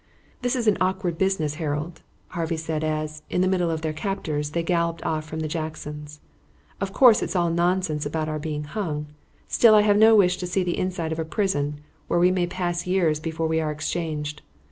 "This is an awkward business, Harold," Harvey said as, in the midst of their captors, they galloped off from the Jacksons'. "Of course it's all nonsense about our being hung. Still, I have no wish to see the inside of a prison, where we may pass years before we are exchanged.